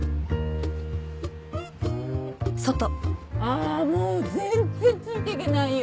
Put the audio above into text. あもう全然ついていけないよ！